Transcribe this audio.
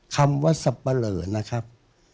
คำว่าสับปะเหลอนะครับ